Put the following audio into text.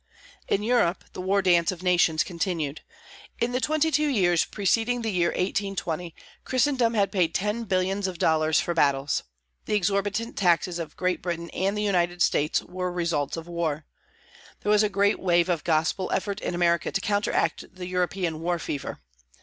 In Europe, the war dance of nations continued. In the twenty two years preceding the year 1820 Christendom had paid ten billions of dollars for battles. The exorbitant taxes of Great Britain and the United States were results of war. There was a great wave of Gospel effort in America to counteract the European war fever.